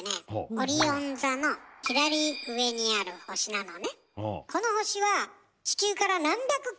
オリオン座の左上にある星なのね。